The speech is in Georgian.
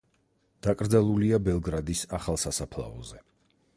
დაკრძალულია ბელგრადის ახალ სასაფლაოზე.